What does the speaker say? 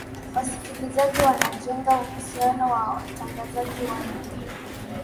wasikilizaji wanajenga uhusiano na watangazaji wa redio